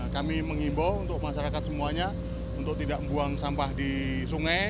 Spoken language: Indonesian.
kami mengimbau untuk masyarakat semuanya untuk tidak membuang sampah di sungai